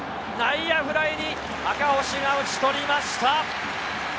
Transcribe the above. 内野フライに赤星が打ち取りました。